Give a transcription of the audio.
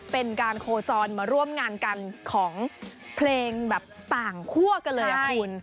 เป็นการโคจรมาร่วมงานกันของเพลงแบบต่างคั่วกันเลยคุณ